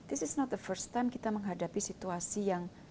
ini bukan pertama kali kita menghadapi situasi yang